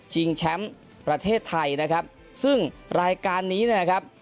แชมป์ประเทศไทยนะครับซึ่งรายการนี้เนี่ยนะครับ